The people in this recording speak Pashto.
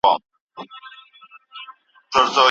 ایا د سهار په ورزش کي د پښو د عضلاتو کشول ګټور دي؟